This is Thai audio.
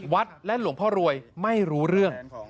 และหลวงพ่อรวยไม่รู้เรื่อง